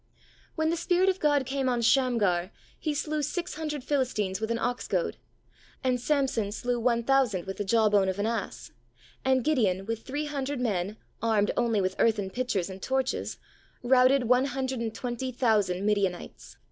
When the Spirit of God came on Shamgar he slew six hundred Philistines with an ox goad, and Samson slew one thousand with the jaw bone of an ass, and Gideon, with three hundred men armed only with earthen pitchers A WORD TO YOU WHO WOULD BE USEFUL. li§ and torches, routed one hundred and twenty thousand Midianites.